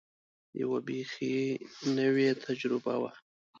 یوه بېخي نوې تجربه وه.